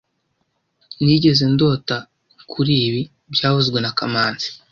Nigeze ndota kuri ibi byavuzwe na kamanzi